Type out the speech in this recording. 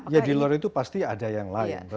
ya di luar itu pasti ada yang lain